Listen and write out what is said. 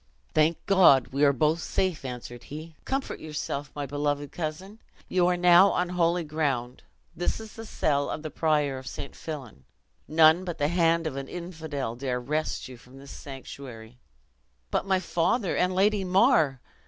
"Thank God, we are both safe," answered he; "comfort yourself, my beloved cousin! you are now on holy ground; this is the cell of the prior of St. Fillan. None but the hand of an infidel dare wrest you from this sanctuary." "But my father, and Lady Mar?"